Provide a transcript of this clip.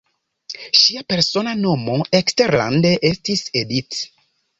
Ŝia persona nomo eksterlande estis "Edith".